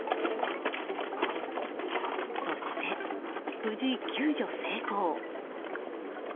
そして無事、救助成功。